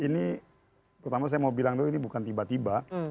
ini pertama saya mau bilang dulu ini bukan tiba tiba